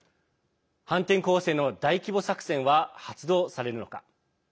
反転攻勢の大規模作戦は発動されるのか。